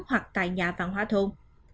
hoặc tại nhà văn hóa thôn